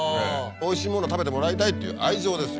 おいしいもの食べてもらいたいっていう愛情ですよ。